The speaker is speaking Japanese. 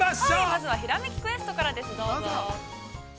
まずは「ひらめきクエスト」からです、どうぞ。